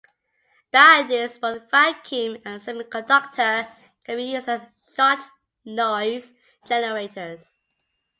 Diodes, both vacuum and semiconductor, can be used as shot-noise generators.